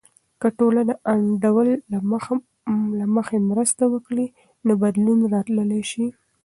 که ټولنه د انډول له مخې مرسته وکړي، نو بدلون راتللی سي.